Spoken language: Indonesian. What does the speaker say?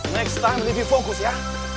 next time tv fokus ya